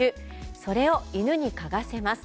それを犬にかがせます。